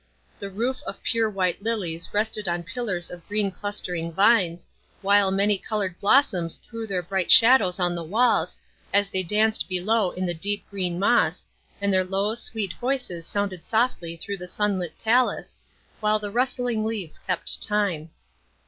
The roof of pure white lilies rested on pillars of green clustering vines, while many colored blossoms threw their bright shadows on the walls, as they danced below in the deep green moss, and their low, sweet voices sounded softly through the sunlit palace, while the rustling leaves kept time.